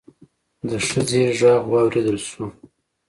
د ښځې غږ واوريدل شو.